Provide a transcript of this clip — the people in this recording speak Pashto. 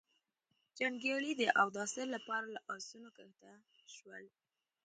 جنګيالي د اوداسه له پاره له آسونو کښته شول.